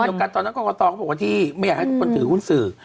แต่พี่โม้ดตอนนั้นก็ก็ต้องบอกว่าที่ไม่อยากให้ทุกคนถือหุ้นสื่อ